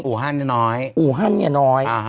อู่ฮั่นเนี่ยน้อย